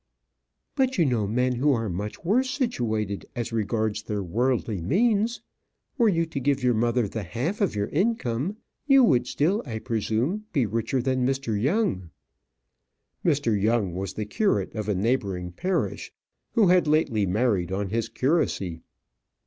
"But you know men who are much worse situated as regards their worldly means. Were you to give your mother the half of your income, you would still, I presume, be richer than Mr. Young." Mr. Young was the curate of a neighbouring parish, who had lately married on his curacy.